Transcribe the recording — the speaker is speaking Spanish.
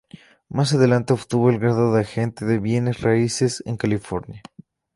Más adelante obtuvo el grado de agente de bienes raíces en California.